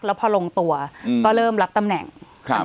แล้วพอลงตัวก็เริ่มรับตำแหน่ง